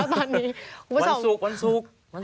วันศุกร์วันศุกร์